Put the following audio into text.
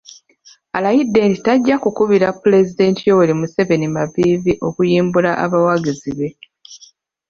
Alayidde nti tajja ku kubira Pulezidenti Yoweri Museveni maviivi okuyimbula abawagizi be.